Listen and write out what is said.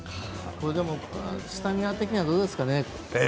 これ、スタミナ的にはどうですかね？